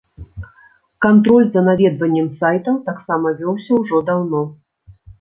Кантроль за наведваннем сайтаў таксама вёўся ўжо даўно.